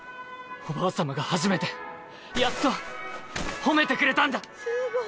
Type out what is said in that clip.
おばあ様が初めてやっと褒めてくれたんだ。